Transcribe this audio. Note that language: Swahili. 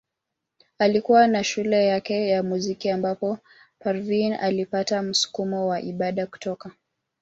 Alikuwa na shule yake ya muziki ambapo Parveen alipata msukumo wa ibada kutoka.